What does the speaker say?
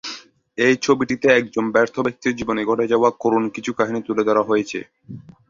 এই ছবিটিতে একজন ব্যর্থ ব্যক্তির জীবনে ঘটে যাওয়া করুন কিছু কাহিনী তুলে ধরা হয়েছে।